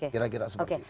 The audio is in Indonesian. kira kira seperti itu